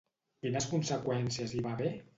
Quines conseqüències hi va haver?